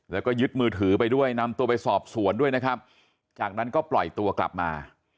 แล้วก็ยึดมือถือไปด้วยนำตัวไปสอบสวนด้วยนะครับจากนั้นก็ปล่อยตัวกลับมา